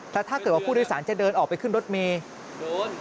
แต่ถ้าเกิดว่าผู้โดยสารจะเดินออกไปขึ้นรถเมย์